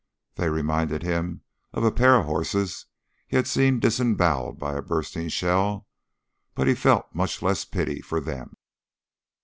They reminded him of a pair of horses he had seen disemboweled by a bursting shell, but he felt much less pity for them.